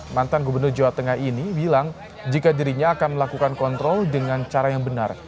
mantan gubernur jawa tengah ini bilang jika dirinya akan melakukan kontrol dengan cara yang benar